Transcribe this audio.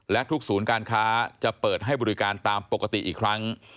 และทุกศูนย์การค้าจะเปิดให้บริการตามปกติอีกครั้ง